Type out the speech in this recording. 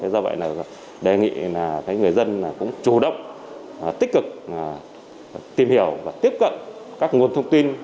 do vậy là đề nghị là người dân cũng chủ động tích cực tìm hiểu và tiếp cận các nguồn thông tin